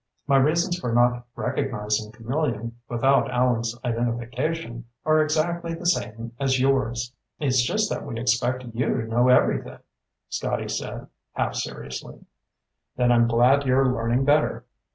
My reasons for not recognizing Camillion, without Allen's identification, are exactly the same as yours." "It's just that we expect you to know everything," Scotty said half seriously. "Then I'm glad you're learning better.